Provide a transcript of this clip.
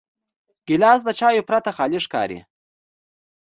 ګیلاس د چایو پرته خالي ښکاري.